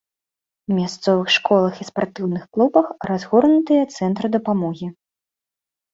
У мясцовых школах і спартыўных клубах разгорнутыя цэнтры дапамогі.